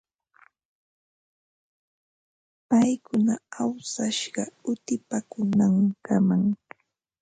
Paykuna awsashqa utipaakuunankamam.